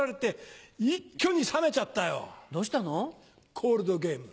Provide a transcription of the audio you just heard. コールドゲーム。